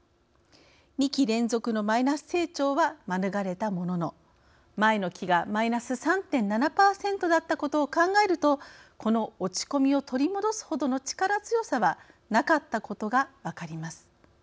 ２期連続のマイナス成長は免れたものの、前の期がマイナス３．７％だったことを考えるとこの落ち込みを取り戻すほどの力強さは、なかったことが分かります。